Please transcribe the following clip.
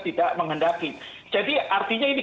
tidak menghendaki jadi artinya ini